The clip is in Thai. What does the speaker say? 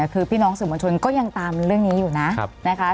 คือพี่น้องสื่อมวลชนก็ยังตามเรื่องนี้อยู่นะนะคะ